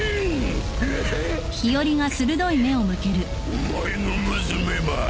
お前の娘も。